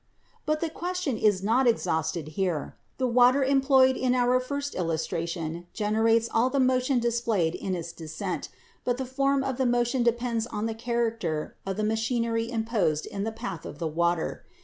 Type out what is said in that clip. "But the question is not exhausted here. The water employed in our first illustration generates all the motion displayed in its descent, but the form of the motion depends on the character of the machinery interposed in the path of the water.